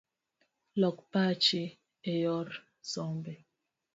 Lok pachi eyor sombi